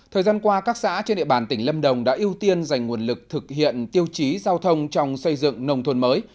thời gian qua các xã trên địa bàn tỉnh lâm đồng đã ưu tiên dành nguồn lực thực hiện tiêu chí giao thông trong xây dựng nông thôn mới